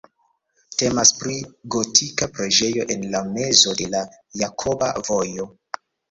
Temas pri gotika preĝejo en la mezo de la Jakoba Vojo.